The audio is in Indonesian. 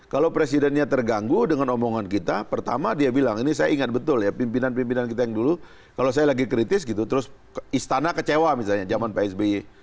kalau presidennya terganggu dengan omongan kita pertama dia bilang ini saya ingat betul ya pimpinan pimpinan kita yang dulu kalau saya lagi kritis gitu terus istana kecewa misalnya zaman pak sby